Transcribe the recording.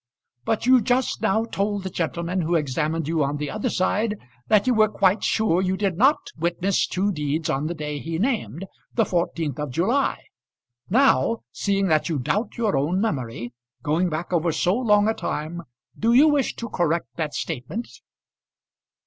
"But you just now told the gentleman who examined you on the other side, that you were quite sure you did not witness two deeds on the day he named, the 14th of July. Now, seeing that you doubt your own memory, going back over so long a time, do you wish to correct that statement?"